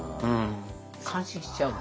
感心しちゃう。